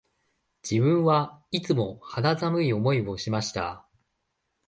自分はいつも肌寒い思いをしました